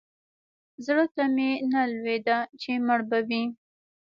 زړه ته مې نه لوېده چې مړ به وي.